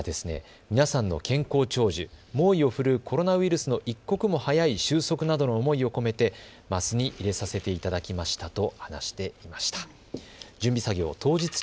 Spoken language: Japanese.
僧侶は、皆さんの健康長寿、猛威を振るうコロナウイルスの一刻も早い収束などの思いを込めて升に入れさせていただきましたと話していました。